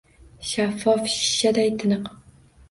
Shaffof shishaday tiniq